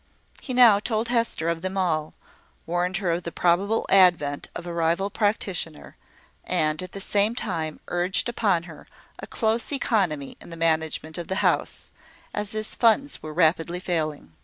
He now told Hester of them all; warned her of the probable advent of a rival practitioner; and at the same time urged upon her a close economy in the management of the house, as his funds were rapidly failing.